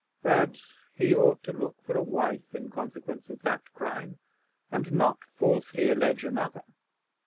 But he ought to look for a wife in consequence of that crime, and not falsely allege another.